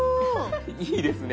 いいですね。